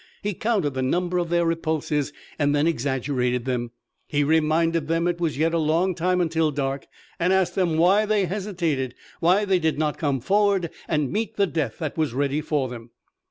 He counted the number of their repulses and then exaggerated them. He reminded them it was yet a long time until dark, and asked them why they hesitated, why they did not come forward and meet the death that was ready for them.